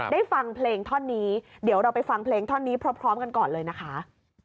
ฟังเพลงท่อนนี้เดี๋ยวเราไปฟังเพลงท่อนนี้พร้อมกันก่อนเลยนะคะ